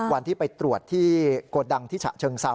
วันที่ไปตรวจที่โกดังที่ฉะเชิงเซา